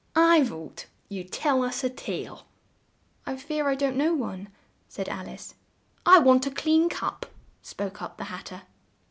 "I vote you tell us a tale." "I fear I don't know one," said Al ice. "I want a clean cup," spoke up the Hat ter.